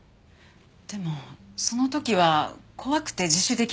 でもその時は怖くて自首できなかったんです。